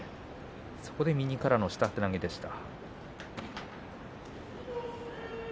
そこからの下手投げでした。